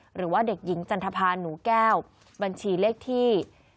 หรือว่าเด็กหญิงจันทภาหนูแก้วบัญชีเลขที่